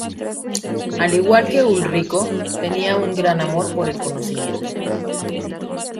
Al igual que Ulrico, tenía un gran amor por el conocimiento.